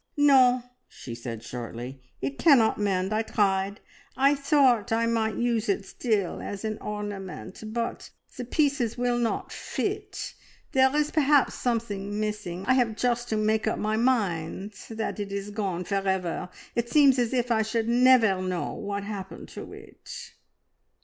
"No," she said shortly, "it cannot mend. I tried. I thought I might use it still as an ornament, but the pieces will not fit. There is perhaps something missing. I have just to make up my mind that it is gone for ever. It seems as if I should never know what happened to it."